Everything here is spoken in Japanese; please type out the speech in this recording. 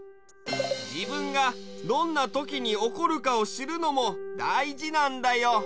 じぶんがどんなときにおこるかをしるのもだいじなんだよ。